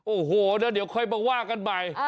โอ้โหแล้วเดี๋ยวค่อยมาว่ากันใหม่